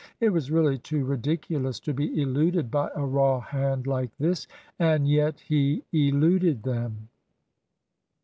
It was really too ridiculous to be eluded by a raw hand like this and yet he eluded them.